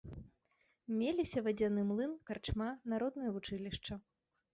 Меліся вадзяны млын, карчма, народнае вучылішча.